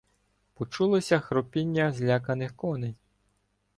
Почулося хропіння зляканих коней.